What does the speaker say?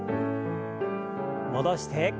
戻して。